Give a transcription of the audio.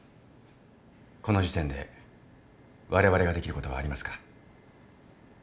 この時点でわれわれができることはありますか？